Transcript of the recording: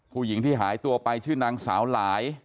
ผู้หญิงที่หายตัวไปชื่อนางสาวหลาย